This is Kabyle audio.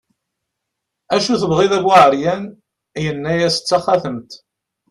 acu tebɣiḍ a bu ɛeryan, yenna-as d taxatemt